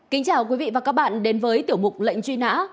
kính chào quý vị và các bạn đến với tiểu mục lệnh truy nã